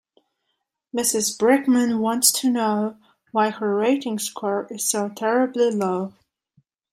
Mrs Brickman wants to know why her rating score is so terribly low.